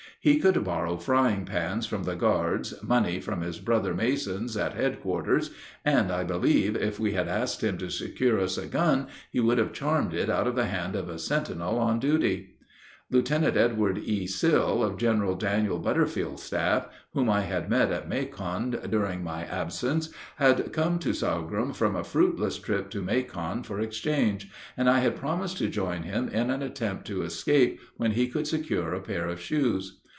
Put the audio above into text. He could borrow frying pans from the guards, money from his brother Masons at headquarters, and I believe if we had asked him to secure us a gun he would have charmed it out of the hand of a sentinel on duty. [Illustration: LIEUTENANTS E.E. SILL AND A.T. LAMSON.] Lieutenant Edward E. Sill, of General Daniel Butterfield's staff, whom I had met at Macon, during my absence had come to "Sorghum" from a fruitless trip to Macon for exchange, and I had promised to join him in an attempt to escape when he could secure a pair of shoes.